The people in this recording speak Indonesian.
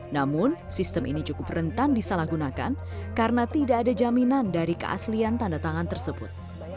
namun sistem ini cukup rentan disalahgunakan karena tidak ada jaminan dari keaslian tanda tangan tersebut